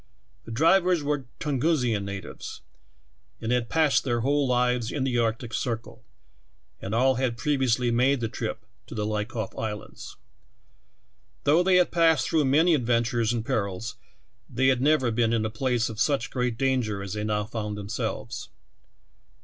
The drivers were Tungusian natives, and had passed their whole lives in the Arctic Circle, and all had previously made the trip to the Liakhov Islands. Though they had passed through many adventures and perils, they had never been in a place of such great danger as they now found themselves.